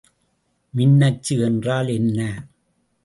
மின்னச்சு என்றால் என்ன?